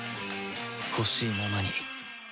ほしいままに